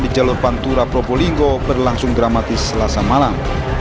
di jalur pantura probolinggo berlangsung dramatis selasa malam